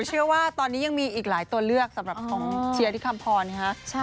เชื่อว่าตอนนี้ยังมีอีกหลายตัวเลือกสำหรับของเชียร์ที่คำพรนะคะ